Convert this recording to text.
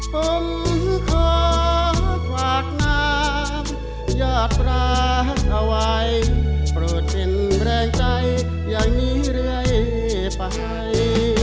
ผมขอฝากน้ำยอดประหว่ายโปรดเต็มแรงใจอย่างนี้เรื่อยไป